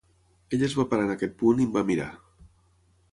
Ella es va parar en aquest punt i em va mirar.